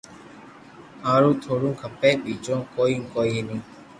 ھارو ٿوڙو کپي ٻيجو ڪوئي ڪوئي ني